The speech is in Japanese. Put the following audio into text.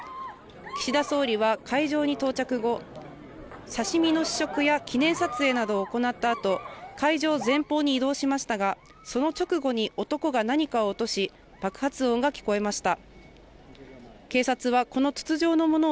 岸田総理は会場に到着後、刺身の試食や記念撮影などを行ったあと、会場前方に移動しましたが、その直後に男が何かを落とし、爆発音が聞こえました。